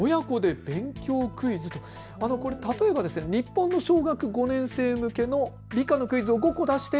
例えば日本の小学５年生向けの理科のクイズを５個出して。